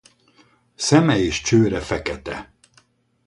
Szeme és csőre fekete.